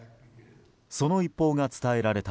その一報が伝えられた